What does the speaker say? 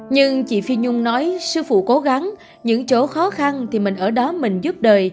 nhưng chị phi nhung nói sư phụ cố gắng những chỗ khó khăn thì mình ở đó mình giúp đời